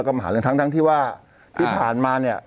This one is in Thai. ก็มาหาเรื่องทั้งที่ว่าที่ผ่านมาเนี่ย